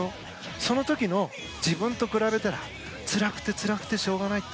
その時の自分と比べたらつらくてつらくてしょうがない。